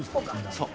そう。